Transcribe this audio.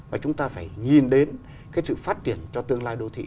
và chúng ta phải nhìn đến cái sự phát triển cho tương lai đô thị